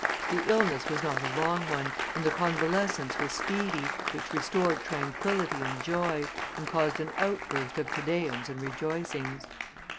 The illness was not a long one, and the convalescence was speedy, which restored tranquillity and joy, and caused an outburst of Te Deums and rejoicings.